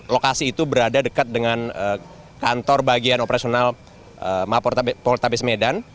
lokasi itu berada dekat dengan kantor bagian operasional polrestabes medan